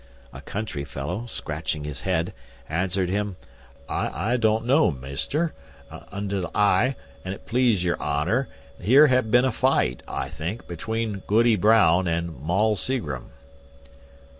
A country fellow, scratching his head, answered him: "I don't know, measter, un't I; an't please your honour, here hath been a vight, I think, between Goody Brown and Moll Seagrim."